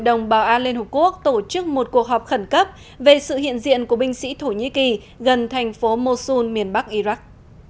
hội đồng bảo an liên hợp quốc tổ chức một cuộc họp khẩn cấp về sự hiện diện của binh sĩ thổ nhĩ kỳ gần thành phố mosun miền bắc iraq